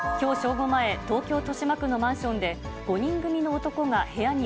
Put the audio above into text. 午前、東京・豊島区のマンションで、５人組の男が部屋に